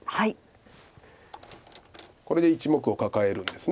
これで１目をカカえるんです。